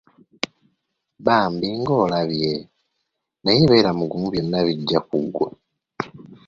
Bambi ng’olabye! Naye beera mugumu byonna bijja kuggwa.